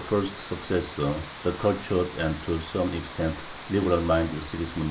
's successor, the cultured and to some extent liberal minded Sigismund II.